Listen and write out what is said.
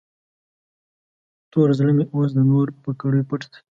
تور زړه مې اوس د نور په کړیو پټ دی.